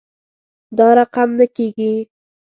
دا رقم نه کیږي